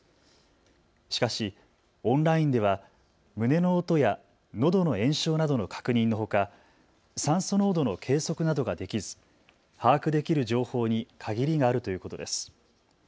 しかしオンラインでは胸の音やのどの炎症などの確認のほか、酸素濃度の計測などができず把握できる情報に限りがあるということです。